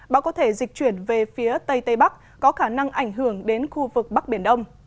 bão có thể dịch chuyển về phía tây tây bắc có khả năng ảnh hưởng đến khu vực bắc biển đông